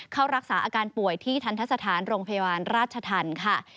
เข้ารักษาอาการป่วยที่ธรรษฎานรพยาบาลราชทันข์